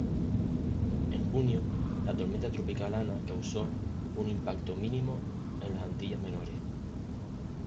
En junio, la Tormenta Tropical Ana causó un impacto mínimo en las Antillas Menores.